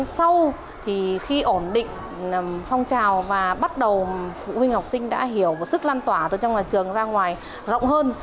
sau thì khi ổn định phong trào và bắt đầu phụ huynh học sinh đã hiểu và sức lan tỏa từ trong nhà trường ra ngoài rộng hơn